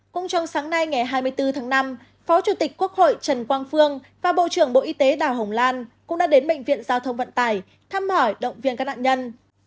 cũng trong sáng nay ngày hai mươi bốn tháng năm phó chủ tịch quốc hội trần quang phương và bộ trưởng bộ y tế đào hồng lan cũng đã đến bệnh viện giao thông vận tải thăm hỏi động viên các nạn nhân